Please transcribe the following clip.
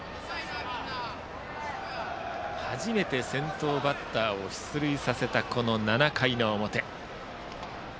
初めて先頭バッターを出塁させた７回の表。